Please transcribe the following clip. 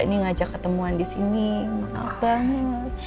ini ngajak ketemuan disini maaf banget